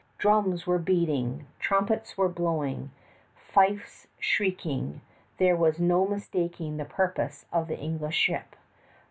Drums were beating, trumpets blowing, fifes shrieking there was no mistaking the purpose of the English ship.